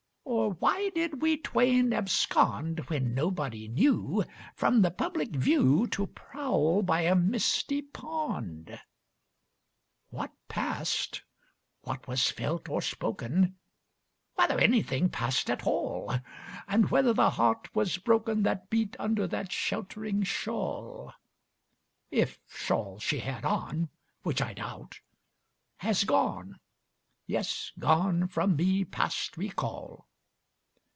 Or why did we twain abscond, When nobody knew, from the public view To prowl by a misty pond? What passŌĆÖd, what was felt or spoken, ŌĆö Whether anything passŌĆÖd at all, ŌĆö And whether the heart was broken That beat under that sheltŌĆÖring shawl, ŌĆö (If shawl she had on, which I doubt),ŌĆöhas gone, Yes, gone from me past recall.